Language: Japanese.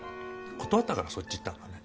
断ったからそっち行ったんだね。